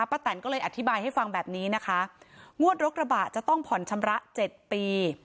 แตนก็เลยอธิบายให้ฟังแบบนี้นะคะงวดรถกระบะจะต้องผ่อนชำระ๗ปี